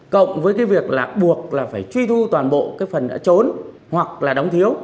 cộng với cái việc là buộc là phải truy thu toàn bộ cái phần đã trốn hoặc là đóng thiếu